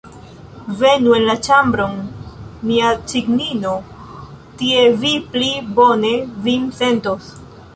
Venu en la ĉambron, mia cignino, tie vi pli bone vin sentos!